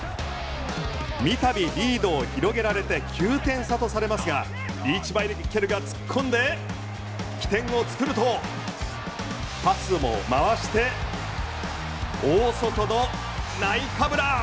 みたびリードを広げられて９点差とされますがリーチマイケルが突っ込んで起点を作ると、パスも回して大外のナイカブラ。